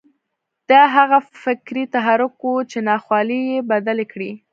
دا هغه فکري تحرک و چې ناخوالې يې بدلې کړې.